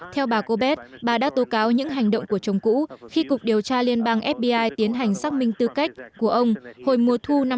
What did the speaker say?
theo bà kobez bà đã tố cáo những hành động của chồng cũ khi cục điều tra liên bang fbi tiến hành xác minh tư cách của ông hồi mùa thu năm hai nghìn một mươi ba